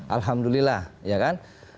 alhamdulillah ya kan